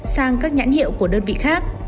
sang các nhãn hiệu của đơn vị khác